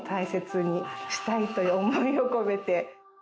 したいという思いを込めて。